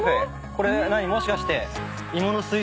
これもしかして。